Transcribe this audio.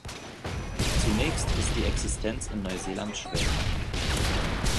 Zunächst ist die Existenz in Neuseeland schwer.